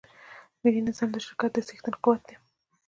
مالي نظم د شرکت د څښتن قوت دی.